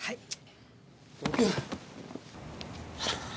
はい。